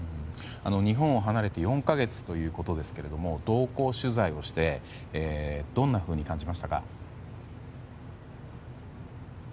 日本を離れて４か月ということですが同行取材をしてどんなふうに感じましたか？